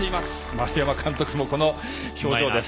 丸山監督もこの表情です。